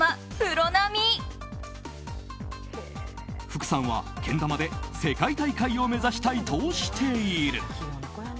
福さんはけん玉で世界大会を目指したいとしている。